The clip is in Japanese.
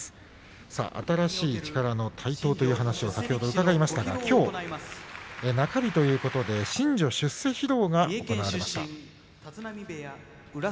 さあ、新しい力の台頭という話先ほど伺いましたがきょう中日ということで新序出世披露が行われました。